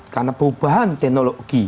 karena perubahan teknologi